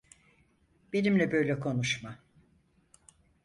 Benimle böyle konuşma!